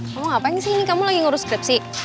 kamu ngapain sih ini kamu lagi ngurus skripsi